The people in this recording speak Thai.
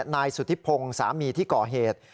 นายสุธิพงศ์สามีที่ก่อเหตุ